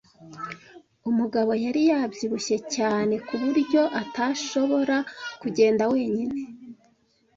Umugabo yari yabyibushye cyane ku buryo atashobora kugenda wenyine.